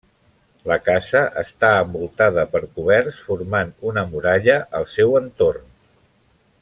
La casa està envoltada per coberts, formant una muralla al seu entorn.